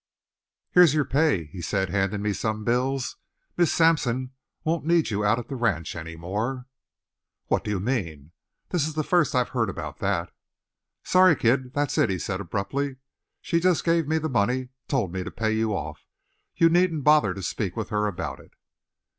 "Here's your pay," he said, handing me some bills. "Miss Sampson won't need you out at the ranch any more." "What do you mean? This is the first I've heard about that." "Sorry, kid. That's it," he said abruptly. "She just gave me the money told me to pay you off. You needn't bother to speak with her about it."